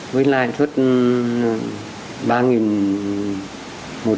với lãi suất